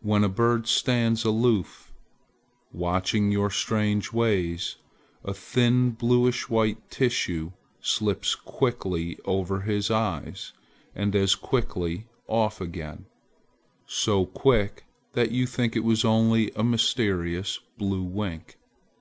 When a bird stands aloof watching your strange ways, a thin bluish white tissue slips quickly over his eyes and as quickly off again; so quick that you think it was only a mysterious blue wink.